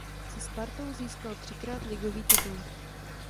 Se Spartou získal třikrát ligový titul.